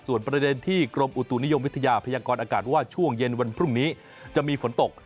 ส่วนประเด็นที่กรมอุตุนิยมวิทยาพยากรอากาศว่าช่วงเย็นวันพรุ่งนี้จะมีฝนตก